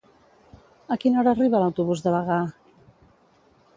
A quina hora arriba l'autobús de Bagà?